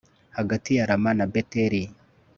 hagati ya rama na beteli